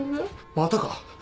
またか！？